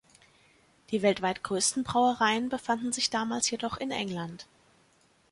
Die weltweit größten Brauereien befanden sich damals jedoch in England.